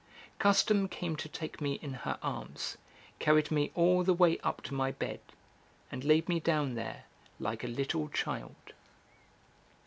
Custom came to take me in her arms, carried me all the way up to my bed, and laid me down there like a little child.